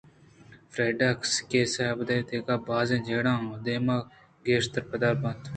فریڈا ءِ کیس ءَ ابید دگہ بازیں جیڑہ آئی ءِ دیمءَ گیشتر پدّر بنت